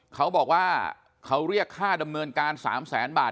เขาบอกว่าเขาเรียกค่าดำเนินการ๓แสนบาท